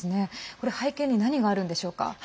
これ、背景に何があるんでしょうか。